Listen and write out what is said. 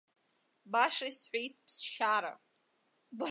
Баша исҳәеит ԥсшьара.